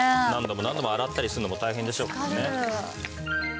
何度も洗ったりするのも大変でしょうしね。